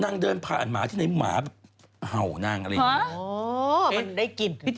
นางเดินพาหนาวที่ในหมาเห่านั่งอะไรอย่างนี้